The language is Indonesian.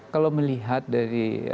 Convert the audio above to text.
kalau melihat dari